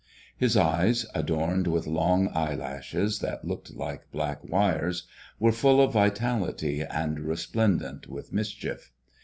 His eyes, adorned with long eyelashes that looked like black wires, were full of vitality and resplendent with mischief.